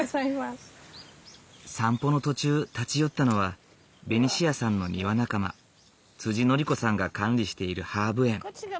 散歩の途中立ち寄ったのはベニシアさんの庭仲間典子さんが管理しているハーブ園。